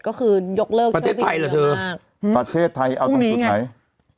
ก็คือยกเลิกพี่เตือนมาก